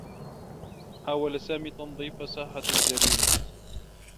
حاول سامي تنظيف ساحة الجريمة.